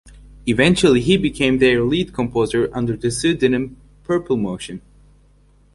Eventually he became their lead composer under the pseudonym Purple Motion.